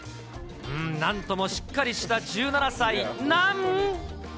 なんともしっかりした１７歳なん。